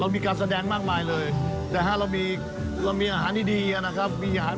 มีปลาแสดงมากมายเลยแต่ถ้าเรามีอาหารที่ดีนะครับ